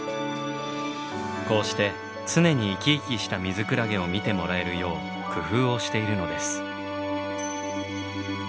こうして常に生き生きしたミズクラゲを見てもらえるよう工夫をしているのです。